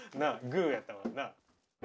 グーやったもんな。